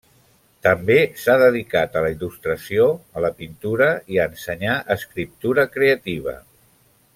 També s'ha dedicat a la il·lustració, a la pintura i a ensenyar escriptura creativa.